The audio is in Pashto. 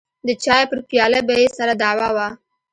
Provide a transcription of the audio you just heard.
د چايو پر پياله به يې سره دعوه وه.